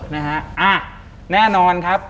นะฮะแน่นอนครับ